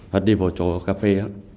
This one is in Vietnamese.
hớt đi vào chỗ cà phê